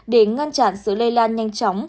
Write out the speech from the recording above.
để ngăn chặn sự lây lan nhanh chóng